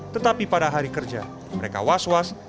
tetapi pada hari kerja mereka was was